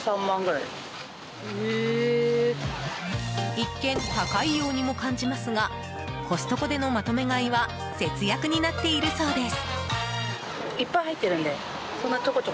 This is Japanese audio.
一見高いようにも感じますがコストコでのまとめ買いは節約になっているそうです。